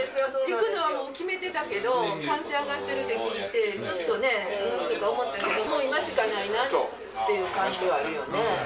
行くのはもう決めてたけど、感染上がってるって聞いて、ちょっとね、思ったけど、もう今しかないなっていう感じはあるよね。